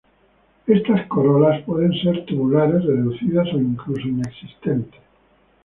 Estas corolas pueden ser tubulares, reducidas o incluso inexistentes.